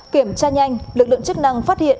kiểm tra nhanh lực lượng chức năng phát hiện